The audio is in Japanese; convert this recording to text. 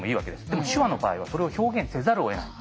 でも手話の場合はそれを表現せざるをえない。